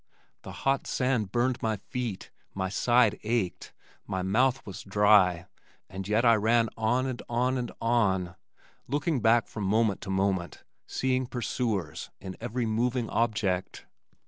The hot sand burned my feet, my side ached, my mouth was dry, and yet I ran on and on and on, looking back from moment to moment, seeing pursuers in every moving object.